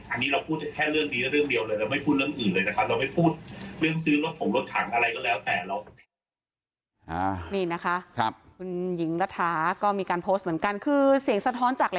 อันนี้เราพูดแค่เรื่องนี้และเรื่องเดียวเลยเราไม่พูดเรื่องอื่นเลยนะครับ